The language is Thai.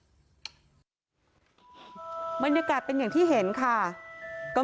มีแต่เสียงตุ๊กแก่กลางคืนไม่กล้าเข้าห้องน้ำด้วยซ้ำ